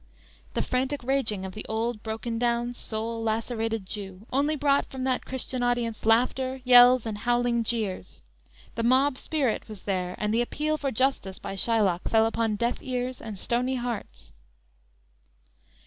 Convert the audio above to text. "_ The frantic raging of the old broken down, soul lacerated Jew, only brought from that Christian audience, laughter, yells, and howling jeers. The mob spirit was there, and the appeal for justice by Shylock fell upon deaf ears and stony hearts.